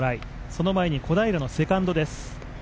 その前に小平のセカンドです。